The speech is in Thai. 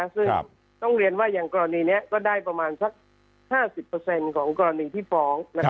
ซึ่งต้องเรียนว่าอย่างกรณีนี้ก็ได้ประมาณสัก๕๐ของกรณีที่ฟ้อง